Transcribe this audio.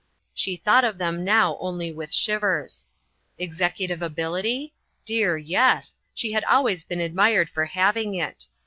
She thought of them now only with shivers. Executive ability? Dear! yes, she had always been admired for having it.